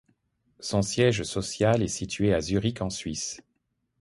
Son siège social est situé à Zurich, en Suisse.